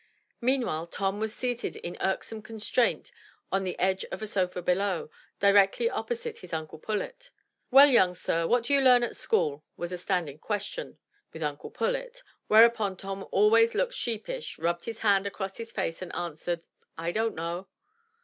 Meanwhile Tom was seated in irksome constraint on the edge of a sofa below, directly opposite his Uncle Pullet. " Well, young sir, what do you learn at school? was a standing question with Uncle Pullet; whereupon Tom always looked sheep ish, rubbed his hands across his face and answered, I don't know.